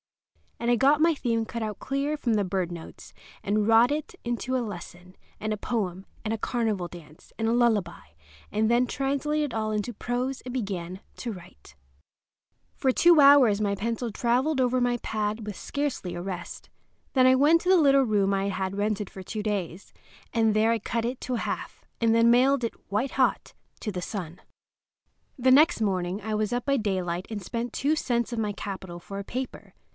And I got my theme cut out clear from the bird notes, and wrought it into a lesson, and a poem, and a carnival dance, and a lullaby; and then translated it all into prose and began to write. For two hours my pencil traveled over my pad with scarcely a rest. Then I went to the little room I had rented for two days, and there I cut it to half, and then mailed it, white hot, to the Sun. The next morning I was up by daylight and spent two cents of my capital for a paper.